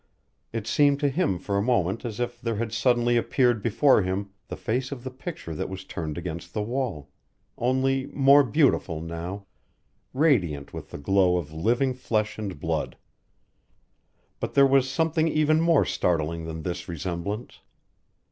It seemed to him for a moment as if there had suddenly appeared before him the face of the picture that was turned against the wall, only more beautiful now, radiant with the glow of living flesh and blood. But there was something even more startling than this resemblance.